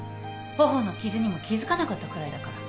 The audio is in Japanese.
頬の傷にも気付かなかったくらいだから。